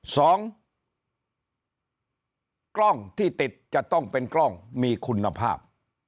สองกล้องที่ติดจะต้องเป็นกล้องมีคุณภาพ